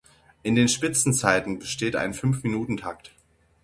In den Spitzenzeiten besteht ein Fünfminutentakt.